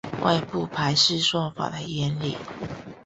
外部排序算法的原理